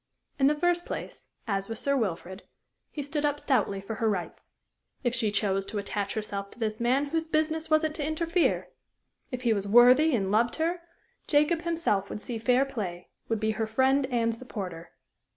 In the first place, as with Sir Wilfrid, he stood up stoutly for her rights. If she chose to attach herself to this man, whose business was it to interfere? If he was worthy and loved her, Jacob himself would see fair play, would be her friend and supporter.